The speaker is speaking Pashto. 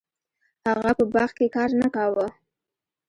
هغه په باغ کې کار نه کاوه.